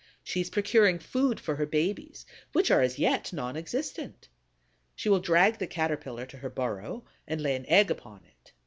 She is procuring food for her babies, which are as yet non existent. She will drag the Caterpillar to her burrow and lay an egg upon it.